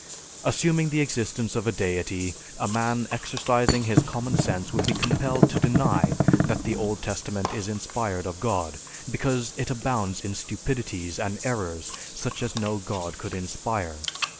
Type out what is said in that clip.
Assuming the existence of a deity, a man exercising his common sense would be compelled to deny that the Old Testament is inspired of God, because it abounds in stupidities and errors such as no god could inspire.